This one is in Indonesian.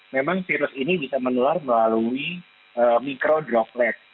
memang virus ini bisa menular melalui mikro droplet